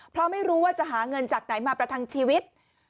เพราะไม่รู้ว่าจะหาเงินจากไหนมาประทังชีวิต